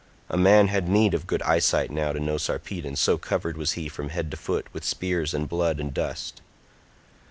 A man had need of good eyesight now to know Sarpedon, so covered was he from head to foot with spears and blood and dust.